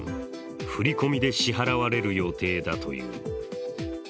振り込みで支払われる予定だという。